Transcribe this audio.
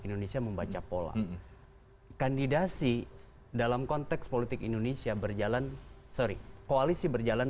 indonesia membaca pola kandidasi dalam konteks politik indonesia berjalan sorry koalisi berjalan